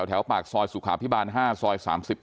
แถวปากซอยสุขาพิบาล๕ซอย๓๙